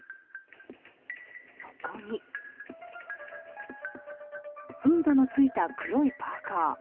そこにフードのついた黒いパーカ。